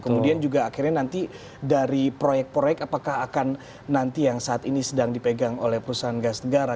kemudian juga akhirnya nanti dari proyek proyek apakah akan nanti yang saat ini sedang dipegang oleh perusahaan gas negara